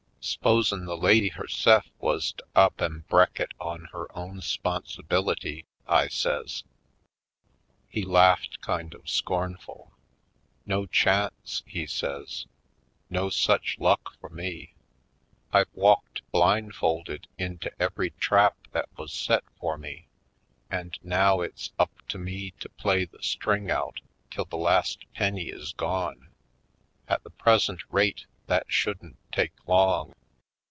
"S'posen' the lady herse'f wuz to up an* brek it on her own 'sponsibility?" I says. He laughed kind of scornful. "No chance," he says; "no such luck for me! I've walked blindfolded into every trap that was set for me and now it's up to me to play the string out till the last penny Oiled Skids 187 is gone. At the present rate that shouldn't take long.